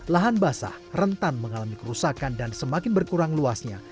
lahan basah rentan mengalami kerusakan dan semakin berkurang luasnya